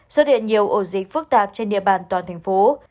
do điện nhiều ổ dịch phức tạp trên địa bàn toàn thành phố